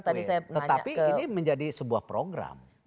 tetapi ini menjadi sebuah program